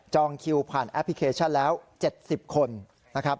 จองคิวผ่านแอปพลิเคชันแล้ว๗๐คน